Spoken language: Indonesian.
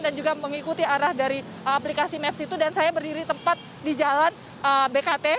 dan juga mengikuti arah dari aplikasi maps itu dan saya berdiri tempat di jalan bkt